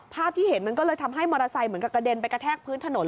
ภาพที่เห็นมันก็เลยทำให้มอเตอร์ไซค์เหมือนกับกระเด็นไปกระแทกพื้นถนน